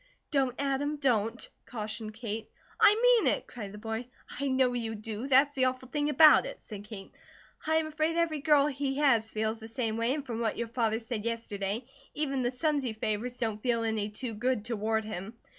"Don't, Adam, don't!" cautioned Kate. "I mean it!" cried the boy. "I know you do. That's the awful thing about it," said Kate. "I am afraid every girl he has feels the same way, and from what your father said yesterday, even the sons he favours don't feel any too good toward him."